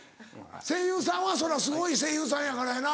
声優さんはそりゃすごい声優さんやからやな。